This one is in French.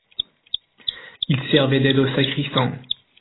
Il servait d'aide au sacristain.